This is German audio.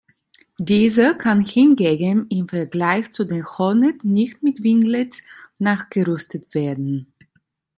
Diese kann hingegen im Vergleich zu der Hornet nicht mit Winglets nachgerüstet werden.